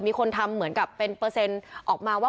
มีคนทำเหมือนกับเป็นเปอร์เซ็นต์ออกมาว่า